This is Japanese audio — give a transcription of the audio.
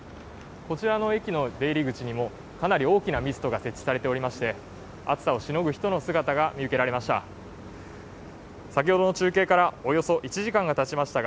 こちらの駅の出入り口にもかなり大きなミストが設置されていまして暑さをしのぐ人の姿が見受けられました。